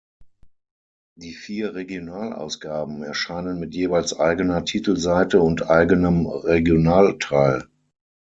Die vier Regionalausgaben erscheinen mit jeweils eigener Titelseite und eigenem Regionalteil.